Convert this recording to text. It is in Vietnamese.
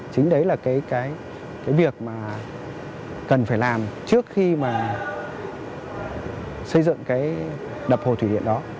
chính đấy là cái việc mà cần phải làm trước khi mà xây dựng cái đập hồ thủy điện đó